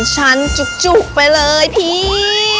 ๓ชั้นจุ๊กไปเลยพี่